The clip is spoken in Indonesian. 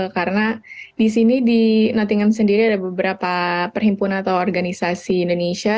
karena di sini di nottingham sendiri ada beberapa perhimpunan atau organisasi indonesia